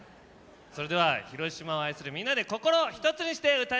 それでは広島を愛するみんなで心を一つにして歌いましょう！